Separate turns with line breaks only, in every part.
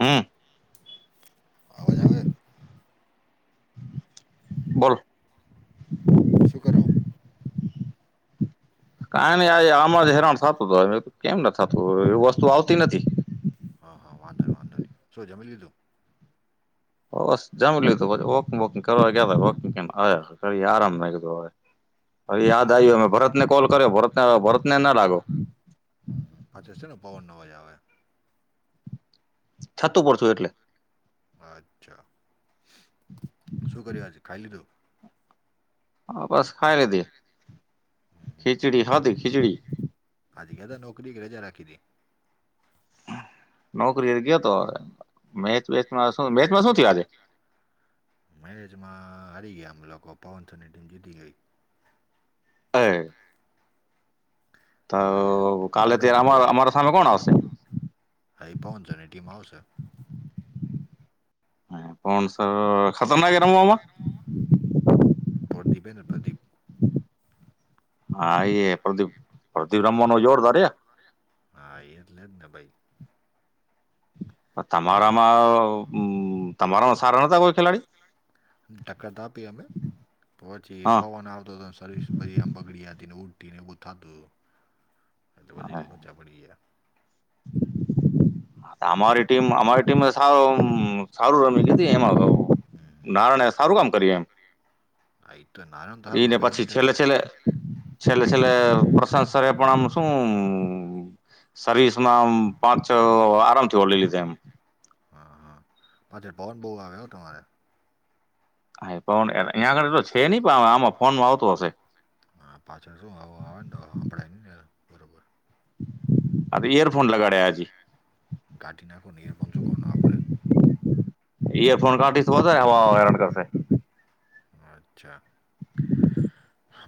હમ્મ.
આવાજ આવે છે
બોલ
શું કરો
કઈ નઈ આ આમ જ હેરાન થતું તો કેમ ન થતું એ વસ્તુ આવતી નથી.
હા હા વાંધો વાંધો ની શું જમી લીધું
હ બસ જમી લીધું પછી વોકિંગ વોકિંગ કરવા ગયા [unintelligible] હવે યાદ
પાછળ
આવીયો અ ભરત ને કોલ કર્યો ભરતને ભરતને ના લાગો.
હમ્મ પાછો છે ને પવનનો અવાજ આવે
[unintelligible] એટલે
અચ્છા શું કર્યું આજે ખાઈ લીધું
હા બસ ખાઈ લીધી
હમ હમ
ખીચડી હતી ખીચડી
આજે ગ્યા તા નોકરી કે રજા રાખી તી
નોકરી ગયોતો મેચ વેચ માં શું મેચમાં શું થયું આજે
મેચમાં હારી ગયા અમે લોકો પવનસરની ટીમ જીતી ગઈ.
[unintelligible] તો
હવે તમે જીતે અમારા સામે કોણ આવશે હાય પવન સરની ટીમ આવશે
પવન સર ખતરનાખ રમે આમાં
[unintelligible] પ્રદીપ
હા એે પ્રદીપ પ્રદીપ રમાંનો જોરદાર હે
હા એટલે જ ને ભાઈ હા તો
તમારામાં તમારામાં
સારા નોતા કોઈ ખેલાડી ટક્કર તો આપી અમે પછી
હા
પવન આવતો હતો સર્વિસ બધી આમ બગડી હતી ને [unintelligible] લોચા પડી ગયા
અમારી ટીમ અમારી ટીમ સાર સારું રમી કીધી એમાં કવ
હમ
નારણે એ સારું કામ કર્યું એમ
[unintelligible] બેડમિન્ટન
છેલે છેલે પ્રશાંત સર રે પણ આમ શું સર્વિસ માં પાંચ આરામથી ઓલી લીધે એમ
હા હા પાછળ પવન બહુ આવ હ તમારે
હાય પવન અહીં આગળ એટલો છે નઈ પણ આમાં ફોન માં આવતો હશે
હા પાછળ શું હવા આવે ને તો [unintelligible] હમભળાઈ ની બરોબર
આ તો ઈયરફોન
ઇયર ફોન
હજી
લગાડ્યા છે કાઢી નાખો [unintelligible] કોન વાપરે
ઇયરફોન કાઢીસ વધારે હવા હેરાન કરશે
અચ્છા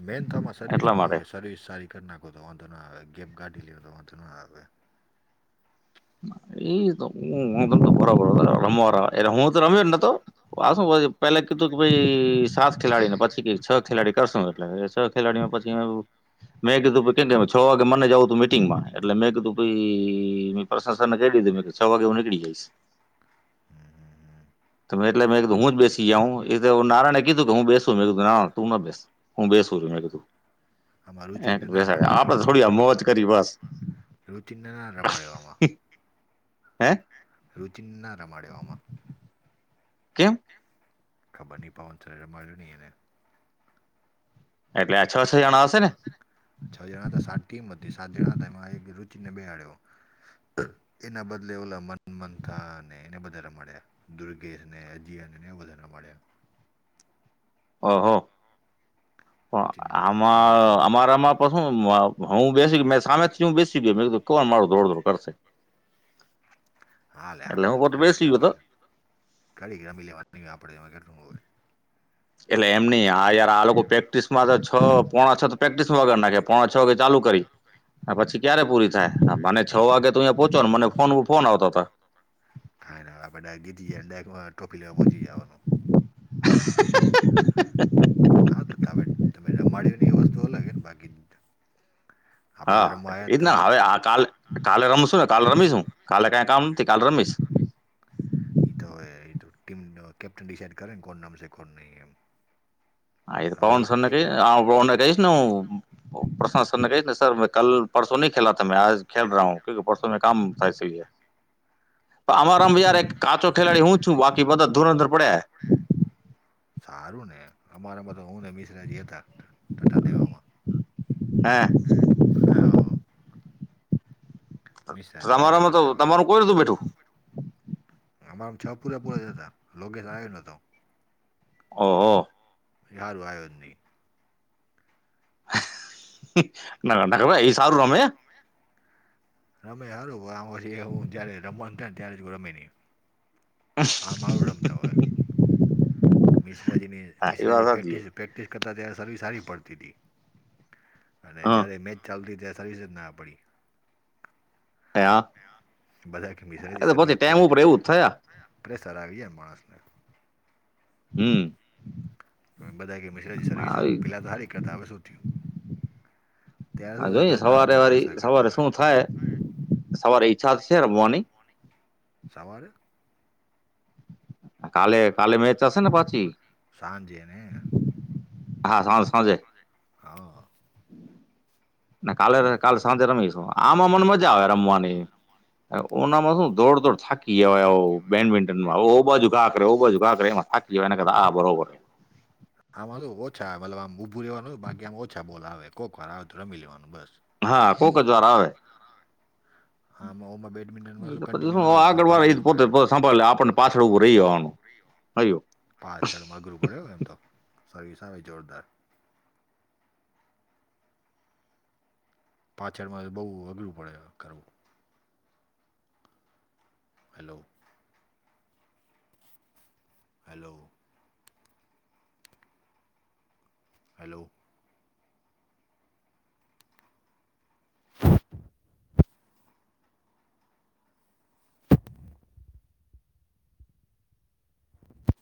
મેન તો આમાં સર્વિસ
એટલા
નો
માટે
હોય સર્વિસ સારી કર નાખો તો વાંધો ન આવે ગેમ કાઢી લયો તો વાંધો ન આવે.
એ તો હું તમ ત [unintelligible] એલે હું તો રમ્યો ન તો
હા
[unintelligible] પેલા કીધું કે ભાઈ સાત ખેલાડી છે પછી કે છ ખેલાડી કરશો એટલે [unintelligible] ખેલાડીઓમાં પછી આમ મેં કીધું કેમ કે છ વાગે મને જવું તું મીટિંગમાં એટલે મેં કીધું ભાઈ પ્રસ સરને ક લી મે છ વાગે હું કળી જઈશ એટલે મે એક હું જ બેસી જાઉં એ તો નારાયણ કીધું કે હું બેસું મેં કીધું ના તું ના બેસ હું બેસું છું મેં કીધું
આમાં
એક
રુચિને ના
બેસાડ
રમાડ્યો
આપડે થોડી આ મોજ કરી બસ
રુચિન ના રમળડ્યો વામાં
હે
રુચિનના રમાડવામાં
કેમ
ખબર નિની પાાવન ચલે મા્યુંની એને
એટલે આછા ઓછા જણા આવશે ને
છ જણા હતા સાત ટીમ હતી સાત જણા હતા એમાં એક રુચિને બેહડ્યો
[inaudible]
એના બદલે ઓલા મન મન થા અને એને બધા રમડ્યા દુર્ગેશને અજીયાને ને વધાર મળ્યા
હહ
રુચિને
પણ
આવડતું
આ
નથી.
અ આ પ શું હું બેસી ગ મે સામેથી હું બેસી ગય મે કોણ મારું દોડદોડ કરશે.
હા લે આપે
એટલે હું પોતે
કડીક
બેસી ગયો હતો
રમીલ કડીક રમીલડે
એટલે એમની આ યાર આ લોકો પ્રેક્ટિસ માં તો છ પોણા છ તો પ્રેક્ટિસ માં વગર નાખે પોણા છ વાગે ચાલુ કરી. પછી ક્યારે પૂરી થાય મને છ વાગે તો અહીંયા પહોંચો ને મને ફોન ફોન આવતો હતા.
ખા આપણે ડ ગી જાય ડ ટોપી લેવા પહોંચી જવાનું.
હ હ હ હ!
હા, તો તમે તમે રમાડ્યુંને એ વસ્તુ અલગ હો ને બાકી આપણે તો
હા
રમવા આયા
એ જ
તા
ના
ને
હવે આ કાલે કાલે રમશું ને કાલે રમીશું કાલે કાઈ કામ નથી કાલે રમીશ
એ તો એ ટીમ કેપ્ટન ડિસાઈડ કરે કોન નામ છે કોન નહી એમ
આદ
હવે
પવન
એક
સરને
એક
ક આ બાવના ક ને પરશના સરને કહે ને સર મેં કલ પરસો ન ખેલા થ મેં આજ ખેલ રહા હું કુ પરસો મેં કામ લે અમારામ
ન-
યાર એક કાચો ખેલાડી હું છું બાકી બધા ધૂરંધર પડે
સારું ને! અમારામાં તો હું ને મિશ્રજી હતા ટટા દેવામાં
હે
હા! મિશ્રાજી કર્યા
તમારામાં તો તમારું કોઈ રતું બેઠું.
અમારામ છ પૂરા પૂરા જતા લોગસ આવ્યો નતો.
ઓહો!
યાર વાયો નહી.
ના ના ના એ!
એ સારું રમે! રમે હારું આમાં પછી હું જયારે રમવાનું ત ને ત્યારે જ રમે નહીં. આમરું રમતા હોય. મિશ્રાજીની
હા એ વાત
મિશ્રાજીની
સાચી
પ્રેક્ટિસ પ્રેક્ટિસ કરતા ત્યારે સર્વી સારી પડતી હતી. અને
હા
જ્યારે મેચ ચાલતી ત્યારે સારી રીત ના પડી.
હે, હા
બધા કે
એ
મિઝાયતી
તો પછી ટાઈમ
સર્વિઝપેક્ટ
ઉપર એવું જ થયા
પ્રેસર આવી જાય એમ માણસને.
હમ!
તો બધાં કે મશ્રજી સર્વિસ
આવી
પહેલા તો ખારીક કરતા, હવે શું થયું? ત્યારે
હ
શું બધા
જોઈ
જોતા હોય
સવારે
ને
વારી
પ્રેશર
સવારે
કરતા
શું
હોય
થાય. સવાર ઈચ્છા છે રમવાની
સવારે?
કાલે કાલે મેચ હશે ને પાછી--'
સાંજે ને
હા, સાજ સાંજે.
હા!
ને કાલે કાલ સાંજે રમીશું. આમાં મને મજા આવે રમવાની. હવે ઉનામાં શું ધોડ-ધોડ- થાકી જવાય હો બેડમિન્ટનમાં, ઓ બાજુ ઘા કરેે ઓ બાજુ ઘા કરે એમાં થાકી જવાય, એના કરતા આ બરોબર હે. [inaudible]
આમાં શું ઓછા હે, મતલબ આમ ઊભું રહેવાનું હોય, બાકી આમ ઓછા બોલ આવે, કોક વાર આવે તો રમી લેવાનું બસ.
હા, કોક જ વાર આવે.
આમાં ઓમાં બેડમિન્ટનમાં
એ
શું
તો પછી
કન્ટિન્યુ
હું
આવે તો તમારે
આગળ વાળી
ભાગવું
જ પોતે
પડે
બસ હાંભળ લે, આપણને પાછળ ઊભું રહી જવાનું, હયું.
પાછળમાં અઘરું પડે હો એમ તો, સર્વિસ આવે જોરદાર. પાછળમાં બહુ અઘરું પડે કરવું. હેલો? હેલો? હેલો? [inaudible]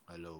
હેલો?